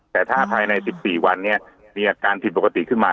แต่ถ้าภายใน๑๔วันเนี่ยมีอาการผิดปกติขึ้นมา